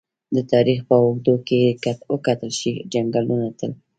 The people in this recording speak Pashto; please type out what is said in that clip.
د تاریخ په اوږدو کې که وکتل شي! جنګونه تل